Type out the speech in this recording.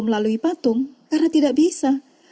melalui patung karena tidak bisa